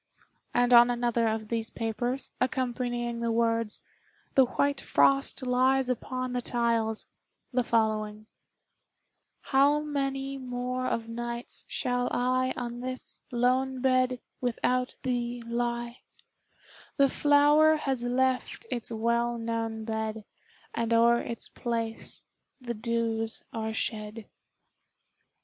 And on another of these papers, accompanying the words, "The white frost lies upon the tiles," the following: "How many more of nights shall I On this lone bed without thee lie; The flower has left its well known bed, And o'er its place the dews are shed."